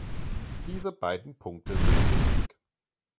Diese beiden Punkte sind wichtig.